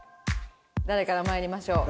誰から参りましょう？